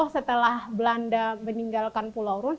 setelah belanda meninggalkan pulau rune